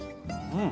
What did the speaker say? うん。